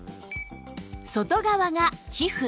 外側が皮膚